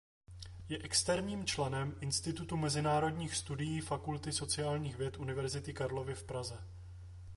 Je externím členem Institutu mezinárodních studií Fakulty sociálních věd Univerzity Karlovy v Praze.